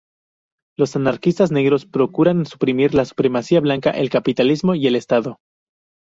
Los anarquistas negros procuran suprimir la supremacía blanca, el capitalismo, y el Estado.